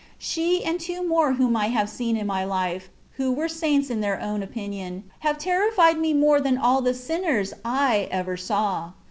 She and two CONCEPTIONS OF DIVINE LOVE. 243 more whom I have seen in my life, who were saints in their own opinion, have terrified me more than all the sinners I ever saw.